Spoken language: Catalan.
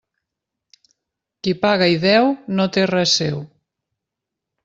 Qui paga i deu no té res seu.